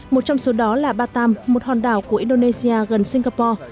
một trong số đó là batam một hòn đảo của indonesia gần singapore